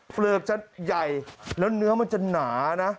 เปลือกจะใหญ่แล้วเนื้อมันจะหนานะ